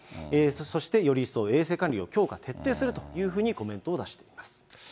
そしてより一層、衛生管理を強化・徹底するというふうにコメントを出しています。